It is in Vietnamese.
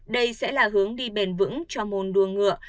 đây sẽ là hướng đi bền vững cho môn đua ngựa